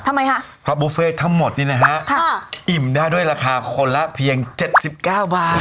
ทำไมคะเพราะบุฟเฟ่ทั้งหมดนี่นะฮะค่ะอิ่มได้ด้วยราคาคนละเพียงเจ็ดสิบเก้าบาท